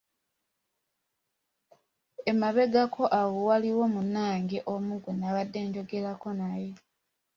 Emabegako awo waliwo munnange omu gwe nabadde njogerako naye.